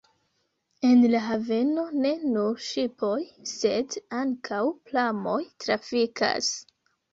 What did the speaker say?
En la haveno ne nur ŝipoj, sed ankaŭ pramoj trafikas.